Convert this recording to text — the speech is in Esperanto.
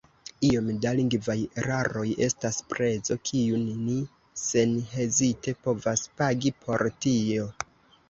Iom da lingvaj eraroj estas prezo, kiun ni senhezite povas pagi por tio.